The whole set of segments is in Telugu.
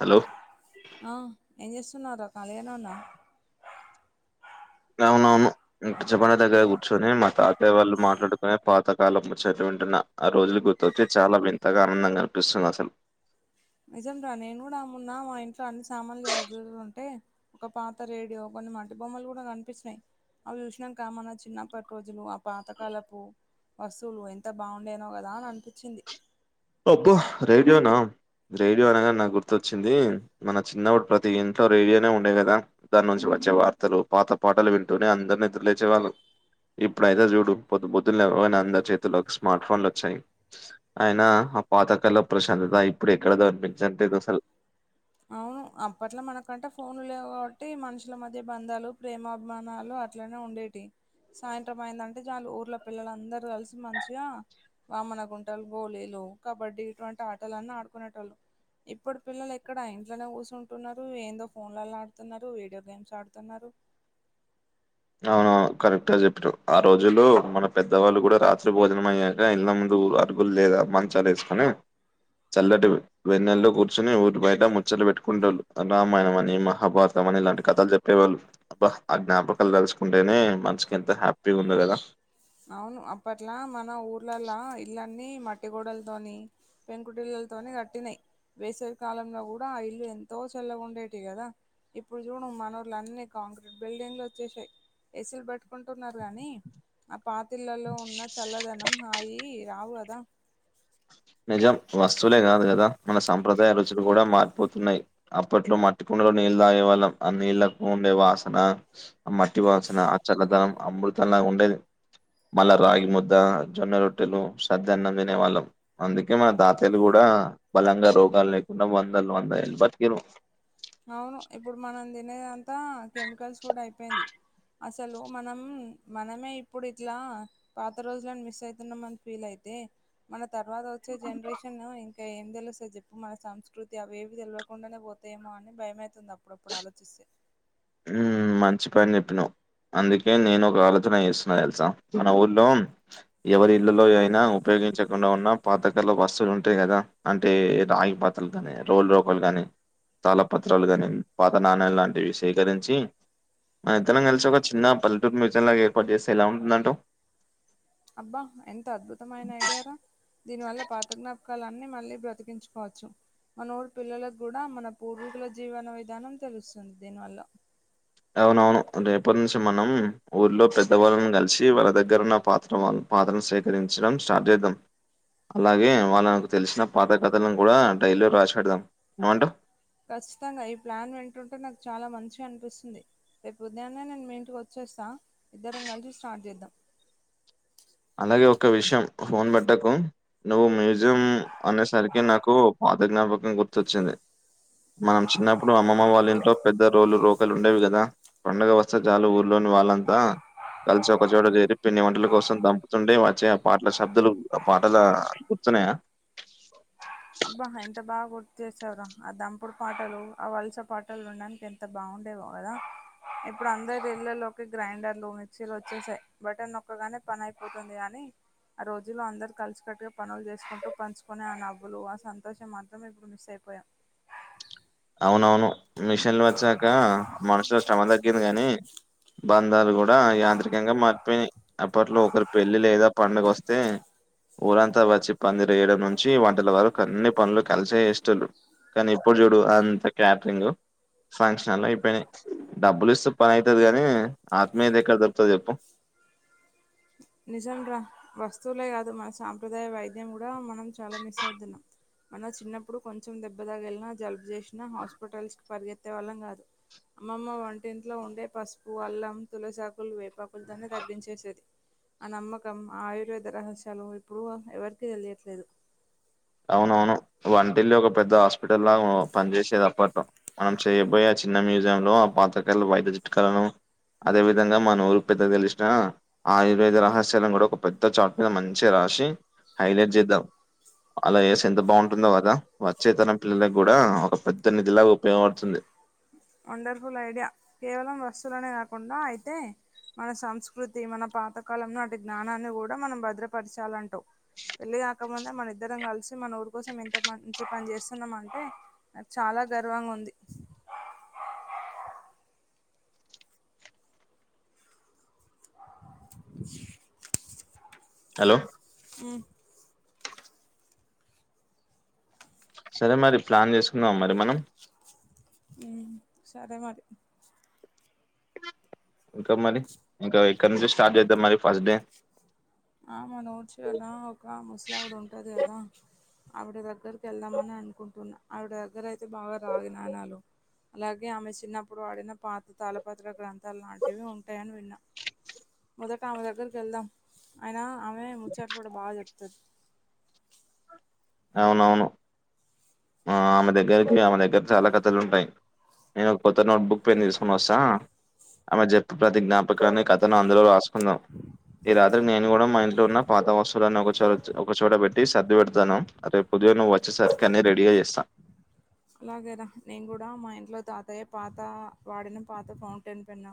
హలో ఆ ఏం చెస్ వస్తున్నారా కాలేజ్ లోనే ఉన్న అవునవును మిర్చి బండి దగ్గర కూర్చొని మా తాతయ్య వాళ్ళు మాట్లాడుకుని పాతకాలం ముచ్చట్లు అంటున్నా ఆ రోజులు గుర్తొచ్చి చాలా వింతగా ఆనందంగా అనిపిస్తుంది అసలు నిజం రా నేను కూడా మొన్న మా ఇంట్లో అన్ని సామాన్లు సర్దుతుంటే ఒక పాత రేడియో కొన్ని మట్టి బొమ్మలు కూడా కనిపించినాయి అవి చూసినంక మన చిన్నప్పటి రోజులు ఆ పాతకాలపు వస్తువులు ఎంత బాగుండేనో కదా అని అనిపించింది అబ్బో రేడియోనా రేడియో అనగానే గుర్తొచ్చింది మన చిన్నప్పుడు ప్రతి ఇంట్లో రేడియోనే ఉండేది కదా దాని నుంచి మంచిగా వార్తలు పాత పాటలు వింటూనే అందరు నిద్రలేచేవాళ్ళు ఇప్పుడైతే చూడు పొద్దు పొద్దులు లేవగానే అందరి చేతుల్లోకి స్మార్ట్ ఫోన్లు వచ్చాయి అయిన ఆ పాత కాలపు ప్రశాంతత ఇప్పుడు ఎక్కడ కనిపించట్లేదు అసలు అవును అప్పట్ల మనకంటే ఫోన్లు లేవు కాబట్టి మనుషుల మధ్య బంధాలు ప్రేమాభిమానాలు అట్లనే ఉండేటి సాయంత్రం అయిందంటే ఊర్ల పిల్లలందరూ కలిసి మంచిగా వామన గుంటలు గోలీలు కబడ్డీ ఇటువంటి ఆటలున్న ఆడుకునే టోళ్ళు ఇప్పుడు పిల్లలు ఇక్కడ ఇంట్లోనే కూర్చుంటున్నారు ఏందో ఫోన్లలో ఆడుతున్నారు వీడియో గేమ్స్ ఆడుతున్నారు అవునా కరెక్టే చెప్పినావు ఆ రోజుల్లో మన పెద్దవాళ్ళు కూడా రాత్రి భోజనం అయ్యాక ఇళ్ళ ముందు కుర్ పరుపులు లేద మంచాలు వేసుకొని చల్లటి వెన్నెల్లో కూర్చుని ఊరి బయట ముచ్చలు పెట్టుకుంటోళ్లు రామాయణం అని మహాభారతం మని ఇలాంటి కథాలు చెప్పేవాళ్ళు అబ్బా ఆ ఙ్ఞాప కాలు తలుచుకుంటేనే మనసుకి ఎంత హ్యాపీగా ఉంది కదా అవును అప్పట్లా మన ఊర్లాలా ఇల్ల అన్నీ మట్టిగోడలతోని పెంకుటిలలతోని కట్టినాయి వేసవి కాలంగా కూడా ఇల్లు ఎంతో చల్లగా ఉండేటివి కదా ఇప్పుడు చూడు మనోళ్లు అన్ని కాంక్రీట్ బిల్డింగ్లు వచ్చేసాయి ఎసి లు పట్టుకుంటున్నారు గానీ ఆ పాతిళ్లలో ఉన్న చల్లదనం హాయ్ రావు కదా నిజం వస్తువులే కాదు కదా మన సంప్రదాయ రుచులు కూడా మారిపోతున్నాయి అప్పట్లో మట్టికుండ లో నీళ్ళ తాగేవాళ్ళం ఆ నీళ్లకు ఉండే వాసన మట్టి వాసన ఆ చల్లదనం అమృత ఉండేది మళ్ళా రాగి ముద్ద జొన్న రొట్టెలు సద్దన్నం తినేవాళ్ళం అందుకే మన తాతయ్యలు కూడా బలంగా రోగాలు లేకుండా వందలు వంద ఏళ్ళు బతికిండ్రు అవును ఇప్పుడు మనం తినేదంతా కెమికల్స్ కూడా అయిపోయింది అసలు మనం మనమే ఇప్పుడు ఇట్లా పాత రోజులని మిస్ అవుతున్నాంమని ఫీల్ అయితే మన తర్వాత వచ్చే జనరేషన్ ఇంకా ఇంకా ఏం తెలుస్తది చెప్పు మన సంస్కృతి అవి ఏవి తెలియకుండానే పోతాయమో అని భయము తుందప్పుడప్పుడాలోచిస్తే మ్మ్ మంచి పని జెప్పినవ్ అందుకే నేనొక ఆలోచన యేస్తున్న ధెల్సా మన ఊర్లో యెవరి ఇళ్ళలో అయినా ఉపయో గించకుండా ఉన్నా పాతకాల వస్తువలుంటయి గదా అంటే రాగి పాత్రలు గానీ రోలు రోకాల్లు గానీ తాళపత్రాలు గనీ పాత నానాల్లాంటివి సేకరించీ మన ఇద్దరం కలిసి ఒక చిన్న పల్లెటూర్ మ్యూజియం లాగా ఏర్పాటు జేస్తె ఎలా ఉంటుందటవ్ అబ్బా ఎంత అద్భుతమైన ఐడియారా దీని వల్ల పాత జ్ఞాపకాలన్ న్ని మళ్ళీ బ్రతికించుకోవచ్చు మన ఊరు పిల్లలగ్గుడా మన పూర్వీకుల జీవన విధానం తెలుస్తుంది దీనివల్ల అవునవును రేపట్నుంచి మనం ఊర్లో పెద్దవాళ్ళను గలిసీ వాళ్ళ దగ్గరున్న పాత్ర వాళ్ పాతరలను సేకరించడం స్టార్ట్ జేద్దం అలాగే వాళ్ళకు తెలిశిన పాత కథలను గుడా డైలీలో రాశిపెడదాం ఏమంటవ్ ఖచ్చితంగ ఈ ప్లాన్ వింటుంటే నాకు చాలా మంచిగనిపిస్తుంది రేపు ఉదయాన్నే నేన్ మీ ఇంటికొచ్చేస్తా ఇద్దరం గలిసి స్టార్ట్ జేద్దాం అలాగే ఒక విషయం ఫోన్ బెట్టకూ నువ్వు మ్యూజియం అనేసరికి నాకూ పా పాత జ్ఞాపకం గుర్తొచ్చింది మనం చిన్నప్పుడు అమ్మమ్మ వాళ్ళింట్లో పెద్ద రోళ్లు రోకలుండేవి గదా పండగ వస్తె జాలు ఊర్లోని వాళ్ళంతా కలిసి ఒకచోట జేరి పిండి వంటల కోసం దంపు తుంటే వచ్చే పాటల శబ్దులు ఆ పాటలా గుర్తున్నయా చేసావ్ర ఆ దంపుడు పాటలూ ఆ వల్స పాటలు విండానికి ఎంత బావుండేవో గదా ఇప్పుడందరు ఇళ్లల్లోకి గ్రైండర్లూ మిక్చీలొచ్చేసాయ్ బటన్నొక్కగానే పని అయిపోతుంది గానీ ఆ రోజుల్లో అందరు కలిసి కట్టుగ పనుల్ జేసుకుంటూ పంచుకొనే ఆ నవ్వులి ఆ సంతోషం మాత్రం ఇప్పుడు మిస్ అయిపోయాం అవునవును మిషిన్లు వచ్చాకా మనుషుల శ్రమ దగ్గింది గనీ బంధాలు గూడా యాంత్రికంగా మారిపోయినయ్ అప్పట్లో ఒకరి పెళ్లి లేదా పండుగొస్తే ఊరంతా వచ్చి పందిరేయడం నుంచీ వంటల వరకన్ని పనులు కలిసే యేష్టోల్లు కనీ ఇప్పుడు జూడ్ డు అంత క్యాట్రింగు ఫంక్షన్లయిపోయ్నై డబ్బులిస్తె పనయితది గనీ ఆత్మీయతెక్కడ దొరుకుతది జెప్పు నిజంగా వస్తువులే గాదు మన సాంప్రదాయ వైద్యం గుడా మనం చాలా మిస్ అవుతున్నం మన చిన్నప్పుడు కొంచెం దెబ్బ దగిల్నా జల్బ్ జేశ్నా హాస్పిటల్స్కి పరిగెత్తే వాళ్ళం గాదు అమ్మమ్మ వంటింట్లో ఉండే పసుపు అల్లం తులసాకులు వేపాకుల్తోనే తగ్గించేసేది ఆ నమ్మకం ఆయుర్వేద రహస్యలూ ఇప్పుడూ ఎవరికిీ దెలియట్లేదు అవునవును వంటిల్లే ఒక పెద్ద హాస్పిటల్లా పన్జేశేదప్పట్లో మనం చేయబోయే చిన్న మ్యూజియంలో ఆ పాతకాల వైద్య చిట్కాలనూ అదే విధంగా మనూరు పెద్దగ దెలిశ్నా ఆయుర్వేద రహస్యాలను గుడా ఒక పెద్ద చాట్ మీద మంచిగ రా రశీ హైలెట్ జేద్ధాం అలా యేస్తె ఎంత బావుంటుందో గదా వచ్చేతరం పిల్లలగ్గుడా ఒక పెద్ద నిధిలాగుపయోగపడుతుంది కుండా అయితే మన సంస్కృతీ మన పాతకాలం నాటి జ్ఞానాన్ని గూడ మనం భద్రపరచాలంటవ్ పెళ్లి గాకముందె మనిద్దరం గలిసి మనూరు కోసం ఎంత మంచి పన్జేస్తున్నం అంటే నాక్ చాలా గర్వంగుంది హలో ఆ సరే మరి ప్లాన్ చేసుకుందామ మరి మనం మ్మ్ సరే మరి ఇంకా మరి ఇంకా ఎక్కడ నుంచి స్టార్ట్ చేద్దాం మరి ఫస్ట్ డే ఆ మన ఊరి చివరన ఒక ముసలావిడ ఉంటది కదా ఆవిడ దగ్గరకి వెళ్దామని అనుకుంటున్నా ఆవిడ దగ్గర అయితే బాగా రాగి నాణెలు అలాగే ఆమె చిన్నప్పుడు వాడిన పాత తాళపత్ర గ్రంథాలు లాంటివి ఉంటాయని విన్నా మొదటి ఆమె దగ్గరికీ వెళ్దాం అయినా ఆమె ముచ్చాట్లు కూడా బాగా చెప్తాది అవునవును ఆ ఆమె దగ్గరకి ఆమె దగ్గర చాలా కథలు ఉంటాయి నేను ఒక కొత్త నోట్ బుక్ పెన్ తీసుకుని వస్తా ఆమె చెప్పె ప్రతి జ్ఞాపకాన్ని కథను అందులో రాసుకుందాం ఈ రాత్రికి నేను కూడా మా ఇంట్లో ఉన్న పాత వస్తువులను ఒక చ ఒకచోట పెట్టి సర్ది పెడతాను రేపు ఉదయం నువ్వు వచ్చేసరికి అని రెడీగా చేస్తా అలాగే రా నేను కూడా మా ఇంట్లో తాతయ్య పాత వాడిన పాత ఫౌంటైన్ పెన్న్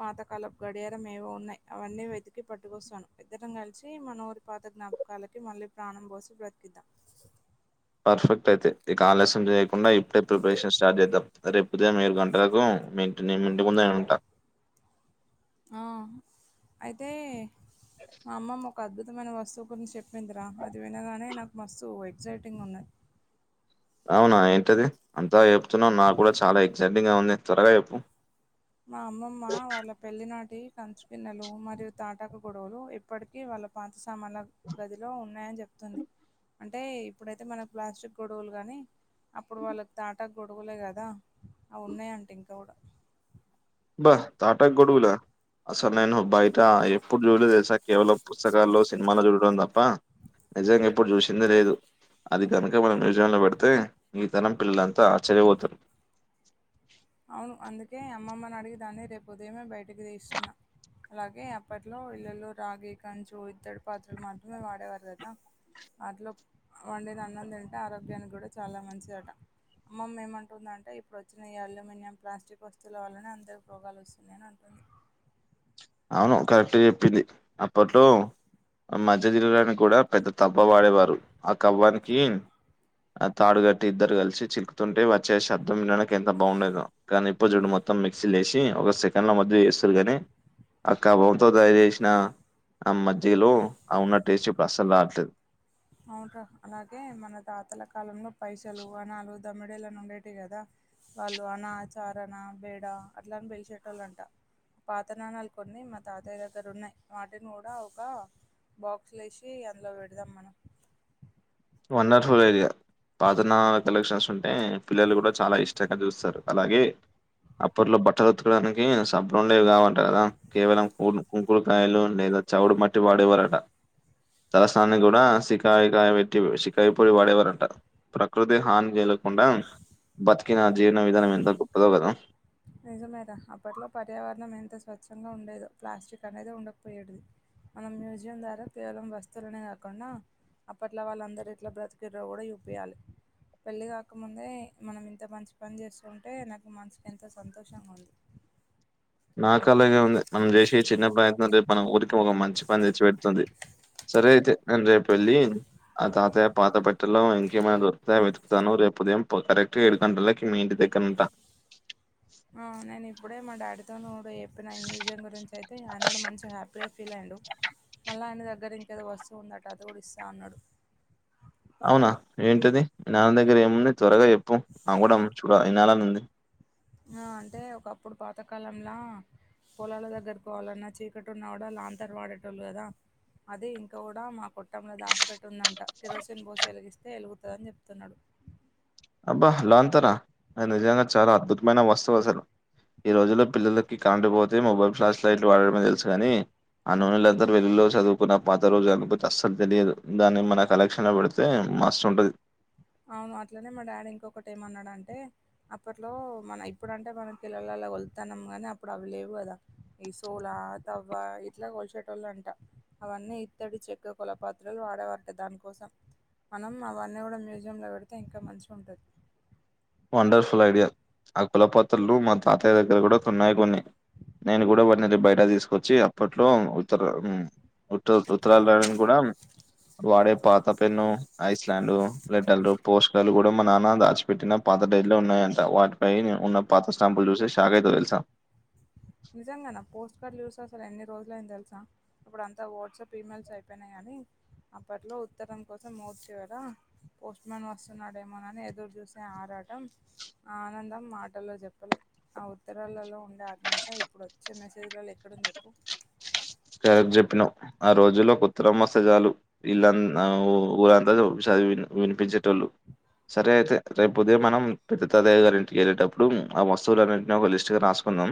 పాతకాల గడియారం ఏవో ఉన్నాయి అవన్నీ వెతికి పట్టుకొస్తాను ఇద్దరం కలిసి మన ఊరి పాత జ్ఞాపకాలకి మళ్ళీ ప్రాణం పోసి బ్రతికిద్దాం. పర్ఫెక్ట్ అయితే ఇక ఆలస్యం చేయకుండా ఇప్పుడే ప్రిపరేషన్ స్టార్ట్ చేద్దాం రేపు ఉదయం ఏడు గంటలకు మి ఇంటిని మీ ఇంటి ముందే ఉంటా ఆ అయితే మా అమ్మమ్మ ఒక అద్భుతమైన వస్తువు గురించి చెప్పిందిరా అది వినగానే నాకు మస్తు ఎక్సైటింగ్ ఉన్నది అవునా ఏంటది అంతాల చెప్తున్నావ్ నాకు కూడా చాలా ఎక్సైటింగ్ గా ఉంది త్వరగా చెప్పు అది కంచు గిన్నెలు మరియు తాటాకు గొడుగులు ఇప్పటికీ వాళ్ళ పాత సామాన్ల గదిలో ఉన్నాయి అని చెప్తుంది అంటే ఇప్పుడైతే మనకు ప్లాస్టిక్ గొడుగులు గాని అప్పుడు వాళ్ళకి తాటాకు గొడుగులే కదా అవి ఉన్నాయి అంట ఇంకా కూడా అబ్బా తాటాకు గొడుగులా అసలు నేను బయట ఎప్పుడు చూడలేదు తెలుసా కేవలం పుస్తకాల్లో సినిమాలో చూడటం తప్పా నిజంగా ఎప్పుడు చూసింది లేదు అది కనుక మనం మ్యూజియం లో పెడితే ఈ తరం పిల్లలంతా ఆశ్చర్యపోతారు అవును అందుకే అమ్మమ్మని అడిగి దాన్ని రేపు ఉదయమే బయటికి తిస్తున్నా అలాగే అప్పట్లో ఇళ్ళల్లో రాగి, కంచు, ఇత్తడి పాత్రలు మాత్రమే వాడేవారు కదా వాట్లో వండిన ఆన్నం తింటే ఆరోగ్యానికి కూడా చాలా మంచిది అటా అమ్మమ్మ ఏమంటుంది అంటే ఇప్పుడు వచ్చిన ఈ అల్యూం మినియం ప్లాస్టిక్ వస్తువుల వల్లనే అందరికీ రోగాలు వస్తున్నాయి అంటుంది అవును కరెక్ట్ గా చెప్పింది అప్పట్లో మజ్జిగా చిలకడానికి కూడా పెద్ద తవ్వ వాడేవారు ఆ కవ్వానికి ఆ తాడుగట్టి ఇద్దరు కలిసి చిక్కుతుంటే వచ్చే శబ్దం వినడానికి ఎంత బాగుండేదో కానీ ఇప్పుడు చూడు మొత్తం మిక్సీలో లేేసి ఒక సెకండ్ లో మజ్జిగా చేస్తారు కానీ అ కవ్వం తో తయారుచేసిన ఆ మజ్జిగలో ఆ ఉన్న టేస్ట్ ఇప్పుడు అస్సలు రావట్లేదు అవును రా అలాగే మన తాతల కాలంలో పైసలు, ఆనాలు, దమ్మిడీలు అనేటివి ఉండేవి కదా వాళ్ళు అణా చారణ, బేడ అట్లాని పెలిచే టోళ్ళ అంటా పాత నాణేలు కొన్ని మా తాతాయ్య దగ్గర ఉన్నయి వాటిని కూడా ఒక బాక్సులో వేసి అందులో పెడదాం మనం వండర్ ఫుల్ ఐడియా పాతనా కలెక్షన్స్ ఉంటే పిల్లలు కూడా చాలా ఇష్టంగా చూస్తరు అలాగే అప్పట్లో బట్టలుతుకడానికి సబ్బులుండేవి కావంటా కదా కేవలం కుంకుడుకాయలు లేదా చవుడు మట్టి వాడేవారట. తలసనాన్ని కూడా సికాయికాయ పెట్టి షికయి పొడి వాడేవారంట. ప్రకృతి హానికలగకుండా బతికినా జీవన విధానం ఎంత గొప్పదో కదా. నిజమేగా అప్పట్లో పర్యావరణం ఎంత స్వచ్ఛంగా ఉండేదో ప్లాస్టిక్ అనేది ఉండకపోయేడిది. మనం మ్యూజియం ద్వారా కేవలం వస్తువులనే కాకుండా అప్పట్లా వాళ్ళందరు ఇట్లా బ్రతికిరో కూడా చూప్పియాలి పెళ్లి కాకముందే మనం ఇంత మంచి పని చేస్తు ఉంటే నాకు మంచి ఎంతో సంతోషంగా ఉంది. నాకు అలాగే ఉంది మనం చేసే చిన్న ప్రయత్నంటే మన ఊరికి ఒక మంచి పని తెచ్చిపెడుతుంది. సరే అయితే నేను రేపు వెళ్ళి ఆ తాతయ్య పాత పెట్టలో ఇంకేమైనా దొరుకుతాయో వెతుకుతాను రేపు ఉదయం కరక్ట్ ఎడు గంటలకి మీ ఇంటి దగ్గరా ఉంటా ఆ నేను ఇప్పుడే మా డాడీతో చెప్పిన ఈ మ్యూజియం గురించి అయితే ఆయన కూడా మంచిగా హ్యాపీగా ఫీల్ అయ్యిండు. మళ్ళీ ఆయన దగ్గర ఇంకేదో వస్తువు ఉందట అది కూడా ఇస్తా అన్నడు. అవునా ఏంటది నాన్న దగ్గర ఏముంది త్వరగా చెప్పు నా కూడా చూడాలి. వినాలనుంది. ఆ అంటే ఒకప్పుడు పాతకాలంల పొలాల దగ్గర పోవాలన్నా చీకటి ఉన్నా అ లాంతర్ వాడేటోళ్లు కదా అది ఇంక కూడా మా కుట్టంలో దాచిపెట్టి ఉందంట కిరోసిన్ బోసి వెలిగిస్తే ఎలుగుతుందని చెప్తున్నాడు ఉ అబ్బా లాంతారా అ నిజంగా చాలా అద్భుతమైన వస్తువు అసలు ఈ రోజులో పిల్లలకి కరెంట్ పోతే మొబైల్ ఫ్లాష్ లైట్లు వాడడమే తెలుసుగాని ఆ నూనెల అంతా వెలుగులలో చదువుకున్న పాత రోజు అను అస్సలు తెలియదు దాన్ని మన కలెక్షన్ లో పెడితే మస్తు ఉండది అవును అట్లనే మా డాడీ ఇంకొకటి ఏమ అన్నాడు అంటే అప్పట్లో మన ఇప్పుడు అంటే మనకి కిలోల ల ఇట్లా కొలుతాన్నాం గానీ అప్పుడు అవి లేవు కదా ఈ సోలా తవ్వవా ఇట్లా కొలిచేటోళ్ళు అంట అవన్నీ ఇత్తడి చెకు కులపాత్రలు వాడేవటే దాని కోసం మనం అవన్నీ కూడా మ మ్యూజియంలో పెడితే ఇంకా మంచిగా ఉంటుంది వండర్ఫుల్ ఐడియా ఆ కులపాత్రలు మా తాతయ్య దగ్గర కూడా కొన్ని ఉన్నాయి నేను కూడా వాటీని బయట తీసుకొచ్చి అప్పట్లో ఉత్తర ఉత్త ఉత్తరాలు రాయడానికి కూడా వాడే పాత పెన్ను ఐస్లలాండ్ లెటర్లు పోషకాలు కూడా మా నాన్న దాచిపెట్టిన పాత టడైట్లో ఉన్నాయంట వాటిపై నేను ఉన్న పాత స్టాంపులు చూసిషాక్ అయితవ్ తెలుసా నిజంగానా పోస్ట్ కార్డులు చూసి అసలు ఎన్ని రోజుల అయినా తెలుసా ఇప్పుడు అంతా వాట్సాప్ ఈమెయిల్స్ అయిపోయినాయి కానీ అప్పట్లో ఉత్తరం కోసం మోర్చవార పోస్ట్ మన్ వస్తున్నాడేమోనని ఎదురు చూసి ఆరా ఆ ఆనందం మాటల్లో చెప్పడం ఆ ఉత్తరాలలో ఉండే అయితే ఇప్పుడు వచ్చే మెసేజ్లలో ఎక్కడుంది ఇప్పుడు కరెక్టుగా చెప్పినవ్ ఆ రోజుల్లో ఉత్తరం వస్తే చాలు ఇల్లంత ఊరంతా వినిపించేటోళ్ళు సరే అయితే రేపు ఉదయం మనం పెద్ద తాతయ్య గారింటికి వెళ్ళేటప్పుడు ఆ వస్తువులున్నింటిని ఒక లిస్ట్ గా రాసుకుందాం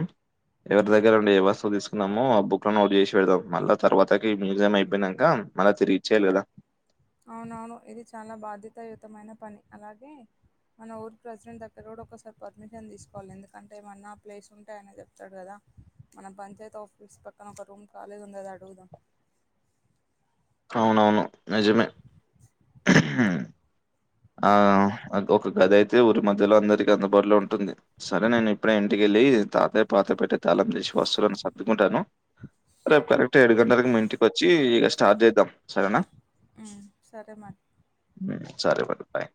ఎవరి దగ్గరం ఏ వస్తువు తీసుకున్నామో ఆ బుక్ నోట్ చేసి పెడదాం మళ్ళా తర్వాతకి మ్యూజియం అయిపోయినాక మళ్ళీ తిరిగి ఇచ్చేయాలి కదా అవునవును ఇది చాలా బాధ్యతాయుతమైన పని అలాగే మన ఊరి ప్రెసిడెంట్ దగ్గర కూడా ఒకసారి పర్మిషన్ తీసుకోవాలి ఎందుకంటే ఏమన్నా ప్లేస్ ఉంటే ఆయన చెప్తాడు కదా మన పంచాయత్ ఆఫీస్ పక్కన ఒక రూమ్ కాళిగా ఉంది కదా అడుగుదాం అవునవును నిజమే ఆ ఒక గది అయితే ఊరి మధ్యలో అందరికి అందుబాటులో ఉంటుంది సరే నేను ఇప్పుడే ఇంటికి ళ్ే తాతయ్య పాత పెట్టే తాళం తీసుకొస్తే అన్ని సర్దుకుంటాను రేపు కరెక్ట్ ఏడు గంటలకి మీ ఇంటికి వచ్చి ఇక స్టార్ట్ చేద్దాం సరేనా హు సరే మరి సరే మరి బాయ్